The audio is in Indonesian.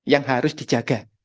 yang harus dijaga